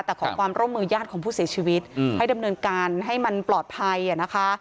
แต่ขอความร่วมมือญาติของผู้เสียชีวิตให้ดำเนินการให้มันปลอดภัยนะคะ